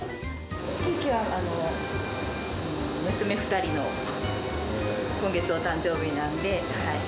ケーキは、娘２人の今月お誕生日なんで。